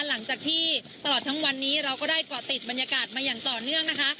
หลังจากที่ตลอดทั้งวันนี้เราก็ได้เกาะติดบรรยากาศมาอย่างต่อเนื่องนะคะ